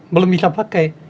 belum bisa pakai